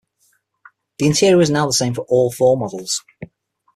The interior was now the same for all four models.